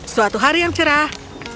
suatu hari yang cerah